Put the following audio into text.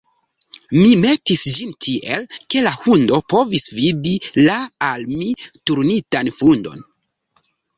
Mi metis ĝin tiel, ke la hundo povis vidi la al mi turnitan fundon.